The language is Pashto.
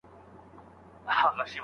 شاګرد د علمي غونډو لپاره چمتووالی نیسي.